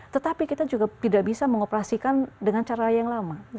tetapi kita juga tidak bisa mengoperasikan dengan cara yang lama